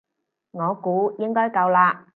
我估應該夠啦